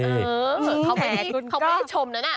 เหมือนเขาไม่ได้ชมนั้นน่ะ